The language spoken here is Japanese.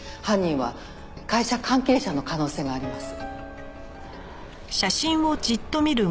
犯人は会社関係者の可能性があります。